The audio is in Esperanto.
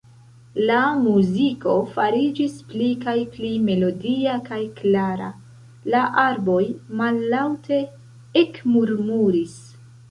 La muziko fariĝis pli kaj pli melodia kaj klara; la arboj mallaŭte ekmurmuris.